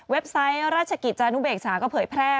ไซต์ราชกิจจานุเบกษาก็เผยแพร่